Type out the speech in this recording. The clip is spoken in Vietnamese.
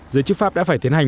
giới chức pháp đã phải tiến hành